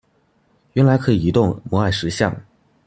原來可以移動摩艾石像